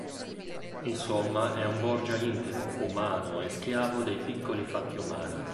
Insomma è un Borgia intimo, umano e schiavo dei piccoli fatti umani.